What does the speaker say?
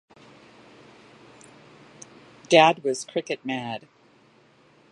Dad was cricket mad.